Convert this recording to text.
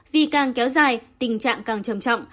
vi càng kéo dài tình trạng càng trầm trọng